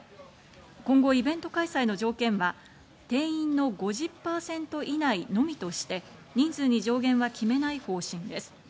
今後、イベント開催の条件は定員の５０％以内のみとして人数に上限は決めない方針です。